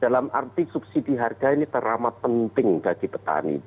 dalam arti subsidi harga ini teramat penting bagi petani